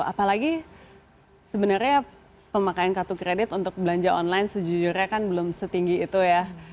apalagi sebenarnya pemakaian kartu kredit untuk belanja online sejujurnya kan belum setinggi itu ya